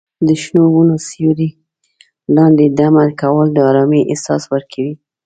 د شنو ونو سیوري لاندې دمه کول د ارامۍ احساس ورکوي.